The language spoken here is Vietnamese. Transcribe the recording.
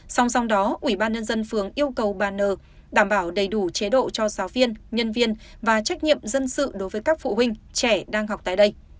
song song đó ubnd phường yêu cầu bà n đảm bảo đầy đủ chế độ cho giáo viên nhân viên và trách nhiệm dân sự đối với các phụ huynh trẻ đang học tại đây